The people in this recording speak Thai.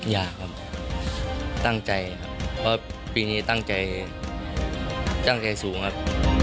อยากครับตั้งใจครับเพราะปีนี้ตั้งใจตั้งใจสูงครับ